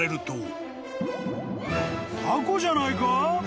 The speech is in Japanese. ［「たこじゃないか？」］